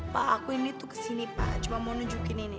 pak aku ini tuh kesini pak cuma mau nunjukin ini